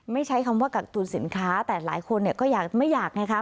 ไม่ใช้คำว่ากักตูนสินค้าแต่หลายคนก็ไม่อยากนะคะ